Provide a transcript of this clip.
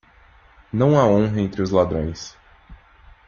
Não há honra entre os ladrões.